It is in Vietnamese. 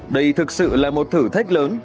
đây thực sự là một thử thách lớn